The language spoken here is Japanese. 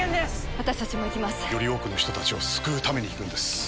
私達も行きますより多くの人達を救うために行くんです